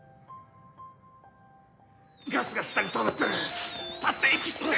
ガスが下にたまってる立って息吸って